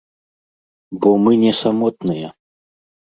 Бо мы не самотныя.